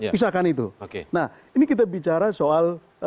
pisahkan itu oke nah ini kita bicara soal